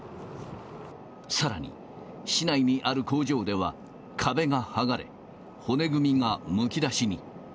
さらに、市内にある工場では壁が剥がれ、骨組みがむき出しに。